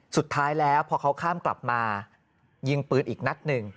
สุดท้ายแล้วพอเขาข้ามกลับมายิงปืนอีกนัดหนึ่ง